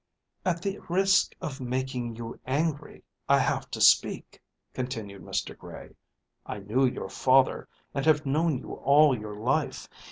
"At the risk of making you angry I have to speak," continued Mr. Gray. "I knew your father, and have known you all your life.